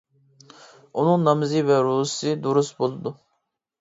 ئۇنىڭ نامىزى ۋە روزىسى دۇرۇس بولىدۇ.